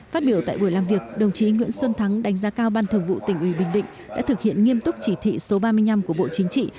phát biểu tại buổi làm việc đồng chí nguyễn xuân thắng đánh giá cao ban thường vụ tỉnh ủy bình định đã thực hiện nghiêm túc chỉ thị số ba mươi năm của bộ chính trị